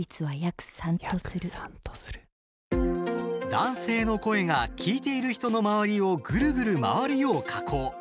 男性の声が聴いている人の周りをぐるぐる回るよう加工。